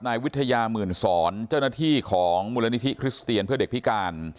นายวิทยาหมื่นสอนเจ้าหน้าที่ของมูลนิธิคริสเตียนเพื่อเด็กพิการ